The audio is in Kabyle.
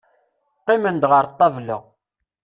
Qqimen-d ɣer ṭṭabla.